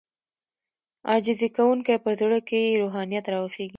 عاجزي کوونکی په زړه کې يې روحانيت راويښېږي.